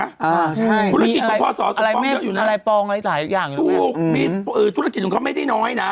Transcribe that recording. อ่าใช่มีอะไรอะไรปองอะไรหลายอย่างอยู่ไหมอื้อมีธุรกิจของเขาไม่ได้น้อยนะ